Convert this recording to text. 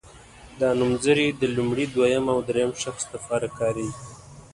دا نومځري د لومړي دویم او دریم شخص لپاره کاریږي.